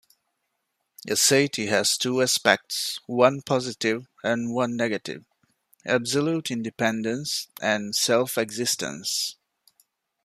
Aseity has two aspects, one positive and one negative: absolute independence and self-existence.